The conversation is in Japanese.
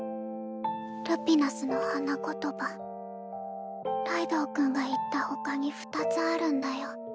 ルピナスの花言葉ライドウ君が言ったほかに２つあるんだよ。